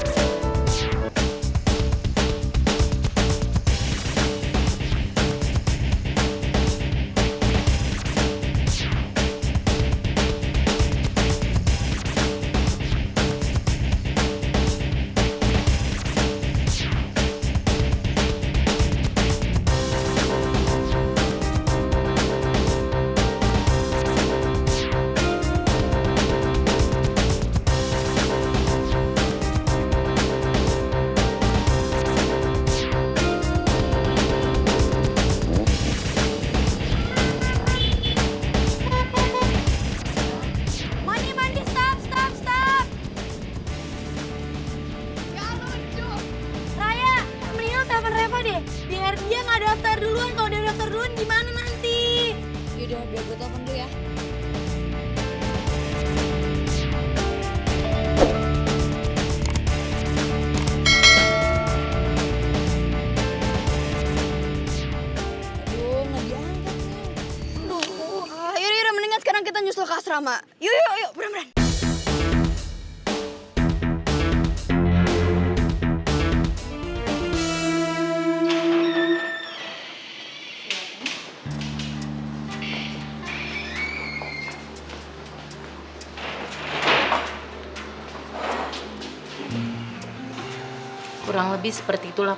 silakan pak bu